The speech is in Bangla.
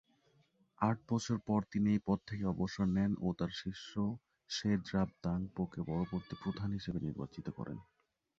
আট বছর পরে তিনি এই পদ থেকে অবসর নেন ও তার শিষ্য শেস-রাব-দ্বাং-পোকে পরবর্তী প্রধান হিসেবে নির্বাচিত করেন।